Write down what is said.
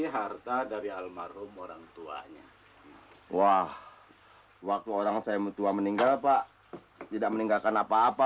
harta dari almarhum orangtuanya wah waktu orang saya mutwa meninggal pak tidak meninggalkan apa apa